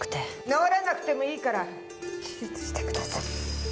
治らなくてもいいから手術してください。